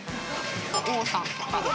王さんとか。